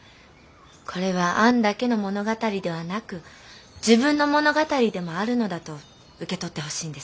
これはアンだけの物語ではなく自分の物語でもあるのだと受け取ってほしいんです。